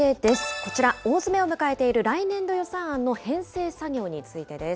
こちら、大詰めを迎えている来年度予算案の編成作業についてです。